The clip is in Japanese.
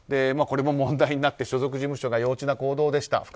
これも問題になって所属事務所が幼稚な行動だった。